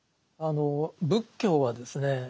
仏教はですね